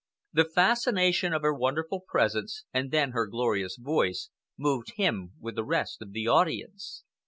The fascination of her wonderful presence, and then her glorious voice, moved him with the rest of the audience.